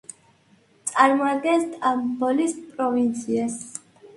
წარმოადგენს სტამბოლის პროვინციას.